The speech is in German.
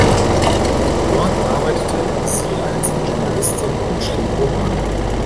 Dort arbeitete sie als Journalistin und schrieb Romane.